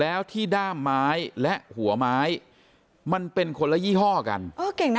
แล้วที่ด้ามไม้และหัวไม้มันเป็นคนละยี่ห้อกันอ๋อเก่งนะ